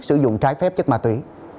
sử dụng trái phép chất ma tủy